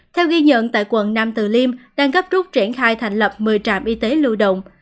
theo ghi nhận tại quận nam từ liêm đang gấp rút triển khai thành lập một mươi trạm y tế lưu động